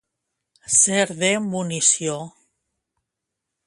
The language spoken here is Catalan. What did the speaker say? Ser de munició.